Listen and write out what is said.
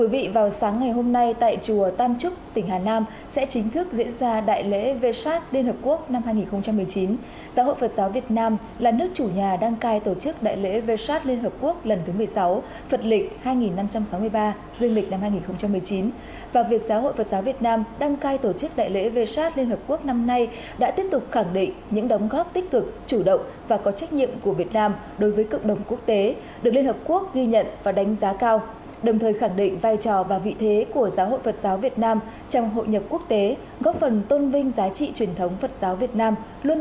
đồng thời khẳng định vai trò và vị thế của giáo hội phật giáo việt nam trong hội nhập quốc tế góp phần tôn vinh giá trị truyền thống phật giáo việt nam luôn đồng hành cùng dân tộc việt nam